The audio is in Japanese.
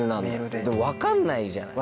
でも分かんないじゃない。